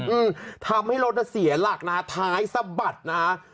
อืมถ้าไม่ลดแล้วเสียหลักนะฮะท้ายสะบัดนะฮะ